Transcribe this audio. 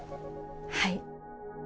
「はい」